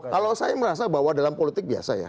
kalau saya merasa bahwa dalam politik biasa ya